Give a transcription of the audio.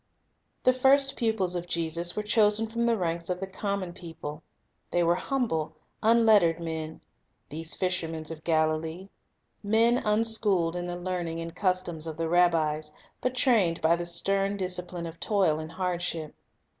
The first pupils of Jesus were chosen from the ranks of the common people. They were humble, unlettered men, these fishers of Galilee; men unschooled in the learning and customs of the rabbis, but trained by the stern discipline of toil and hardship.